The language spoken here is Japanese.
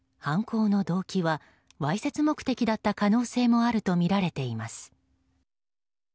犯行の動機はわいせつ目的だった可能性もあるとみられています。